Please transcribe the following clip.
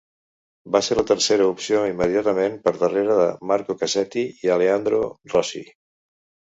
Va ser la tercera opció immediatament per darrere de Marco Cassetti i Aleandro Rosi.